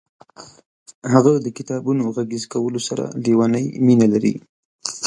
هغه د کتابونو غږیز کولو سره لیونۍ مینه لري.